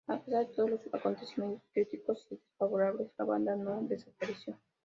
A pesar de todos los acontecimientos críticos y desfavorables, la banda no desapareció.